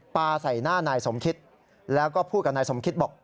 ปลาใส่หน้านายสมคิตแล้วก็พูดกับนายสมคิตบอก